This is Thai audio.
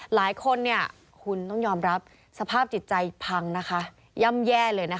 หลายคนคุณต้องยอมรับสภาพจิตใจพังนะคะย่ำแย่เลยนะคะ